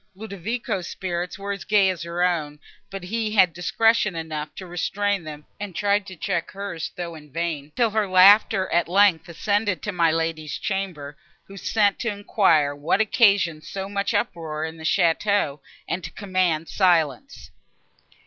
Ludovico's spirits were as gay as her own, but he had discretion enough to restrain them, and tried to check hers, though in vain, till her laughter, at length, ascended to my Lady's chamber, who sent to enquire what occasioned so much uproar in the château, and to command silence.